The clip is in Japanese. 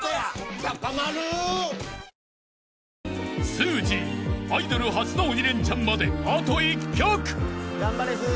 ［すーじーアイドル初の鬼レンチャンまであと１曲］